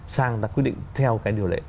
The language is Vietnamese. sang ta quyết định theo cái điều lệ